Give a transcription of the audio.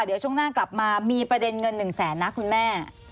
เดี๋ยวช่วงหน้ากลับมามีประเด็นเงิน๑แสนนะคุณแม่